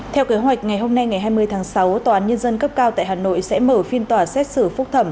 theo kế hoạch ngày hôm nay ngày hai mươi tháng sáu tòa án nhân dân cấp cao tại hà nội sẽ mở phiên tòa xét xử phúc thẩm